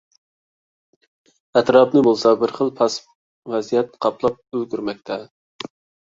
ئەتراپنى بولسا بىرخىل پاسسىپ ۋەزىيەت قاپلاپ ئۈلگۈرمەكتە.